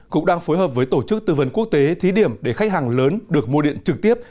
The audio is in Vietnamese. cục đang phối hợp với tổ chức tư vấn quốc tế thí điểm để khách hàng lớn được mua điện trực tiếp